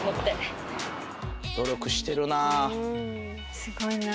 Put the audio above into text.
すごいなあ。